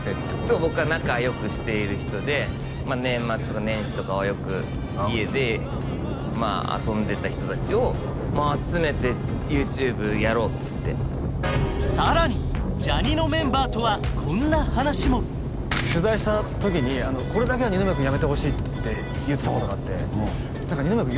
そう僕が仲良くしている人で年末とか年始とかはよく家で遊んでた人達を集めてＹｏｕＴｕｂｅやろうっつってさらに取材した時にこれだけは二宮君やめてほしいって言ってたことがあって二宮君